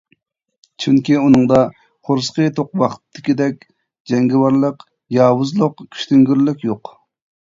چۈنكى ئۇنىڭدا قورسىقى توق ۋاقىتتىكىدەك جەڭگىۋارلىق، ياۋۇزلۇق، كۈچتۈڭگۈرلۈك يوق.